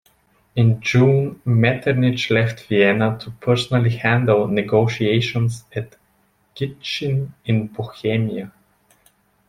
In June Metternich left Vienna to personally handle negotiations at Gitschin in Bohemia.